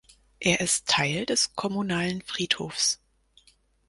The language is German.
Er ist Teil des kommunalen Friedhofs.